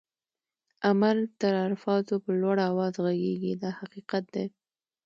عمل تر الفاظو په لوړ آواز ږغيږي دا حقیقت دی.